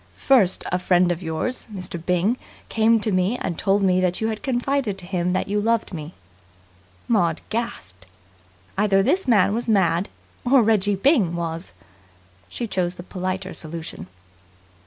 First a friend of yours, Mr. Byng, came to me and told me that you had confided to him that you loved me." Maud gasped. Either this man was mad, or Reggie Byng was. She choose the politer solution.